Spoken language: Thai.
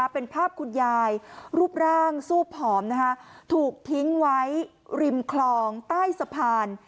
เป็นภาพคุณยายรูปร่างซูบผอมถูกทิ้งไว้ริมคลองใต้สะพาน